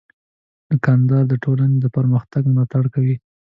دوکاندار د ټولنې د پرمختګ ملاتړ کوي.